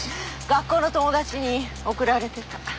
学校の友達に送られてた。